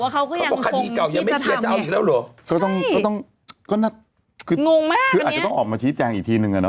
เขาก็บอกว่าเขาก็ยังคงที่จะทำเนี่ยเขาต้องก็น่าคืออาจจะต้องออกมาชี้แจงอีกทีนึงอ่ะเนอะ